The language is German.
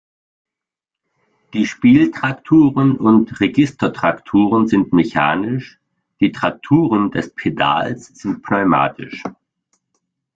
Die Spieltrakturen und Registertrakturen sind mechanisch, die Trakturen des Pedals sind pneumatisch.